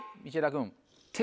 君。